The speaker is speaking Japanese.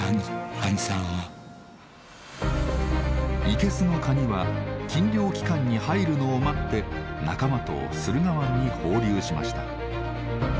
生けすのカニは禁漁期間に入るのを待って仲間と駿河湾に放流しました。